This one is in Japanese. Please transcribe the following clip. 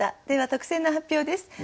では特選の発表です。